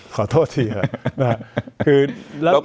ขอโทษทีครับ